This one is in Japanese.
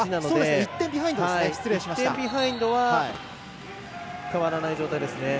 １点ビハインドは変わらない状態ですね。